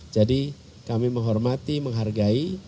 jadi kami menghormati menghargai